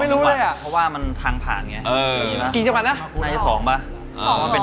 โหโหเวลาก็เหมือน